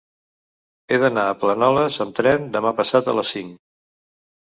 He d'anar a Planoles amb tren demà passat a les cinc.